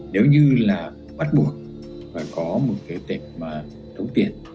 nếu như là bắt buộc phải có một cái tiệm mà đúng tiền